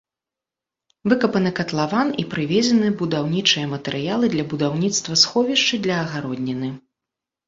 Выкапаны катлаван і прывезены будаўнічыя матэрыялы для будаўніцтва сховішчы для агародніны.